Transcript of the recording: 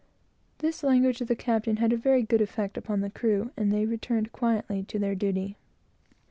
This language of the captain had a very good effect upon the crew, and they returned quietly to their duty.